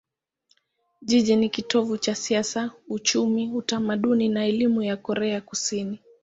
Jiji ni kitovu cha siasa, uchumi, utamaduni na elimu ya Korea Kusini.